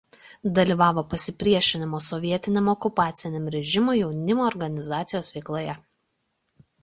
Dalyvavo pasipriešinimo sovietiniam okupaciniam režimui jaunimo organizacijos veikloje.